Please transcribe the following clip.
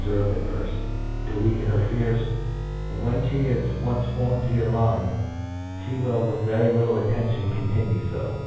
ferved at firft, to weaken her fears ; and, whea ihe is once formed to your, mind, ihe will with ^ yery little attendon continue §o.